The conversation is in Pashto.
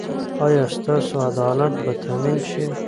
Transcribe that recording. ایا ستاسو عدالت به تامین شي؟